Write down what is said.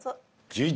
１１。